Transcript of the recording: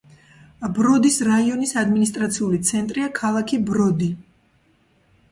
ბროდის რაიონის ადმინისტრაციული ცენტრია ქალაქი ბროდი.